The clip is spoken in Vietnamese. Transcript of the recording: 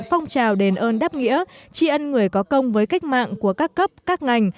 phong trào đền ơn đáp nghĩa tri ân người có công với cách mạng của các cấp các ngành